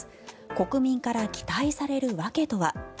国民から期待される訳とは。